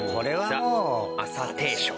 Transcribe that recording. ザ・朝定食。